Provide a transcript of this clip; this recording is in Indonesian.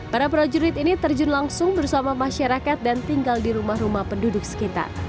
para prajurit ini terjun langsung bersama masyarakat dan tinggal di rumah rumah penduduk sekitar